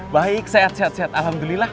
baik sehat sehat alhamdulillah